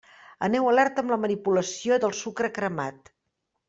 Aneu alerta amb la manipulació del sucre cremat.